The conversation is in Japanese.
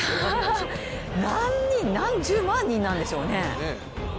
何十万人なんでしょうね。